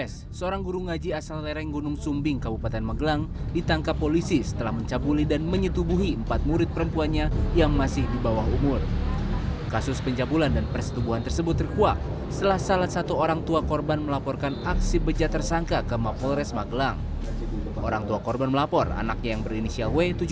sampai jumpa di video selanjutnya